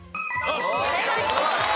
正解。